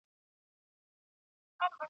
نن په څشي تودوې ساړه رګونه ..